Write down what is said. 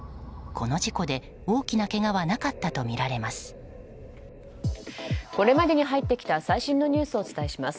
この事故で大きなけがはなかったとみられます。